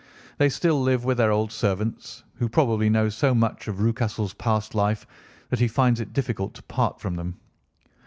They still live with their old servants, who probably know so much of Rucastle's past life that he finds it difficult to part from them.